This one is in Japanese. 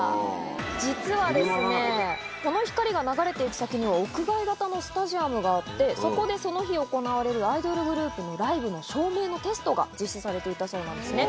実は、この光が流れていく先には屋外型のスタジアムがあって、そこでその日行われるアイドルグループのライブの照明のテストが実施されていたそうなんですね。